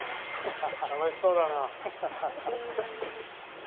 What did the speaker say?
楽しそうだな。